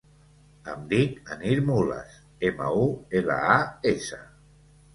Em dic Anir Mulas: ema, u, ela, a, essa.